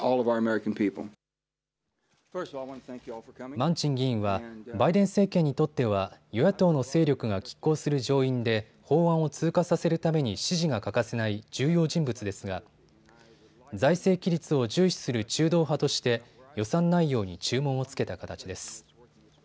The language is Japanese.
マンチン議員はバイデン政権にとっては与野党の勢力がきっ抗する上院で法案を通過させるために支持が欠かせない重要人物ですが財政規律を重視する中道派として予算内容に注文をつけた形です。